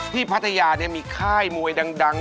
พัทยามีค่ายมวยดัง